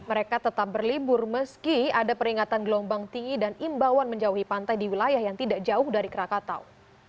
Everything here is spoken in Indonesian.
mereka tetap berlibur meski ada peringatan gelombang tinggi dan imbauan menjauhi pantai di wilayah yang tidak jauh dari krakatau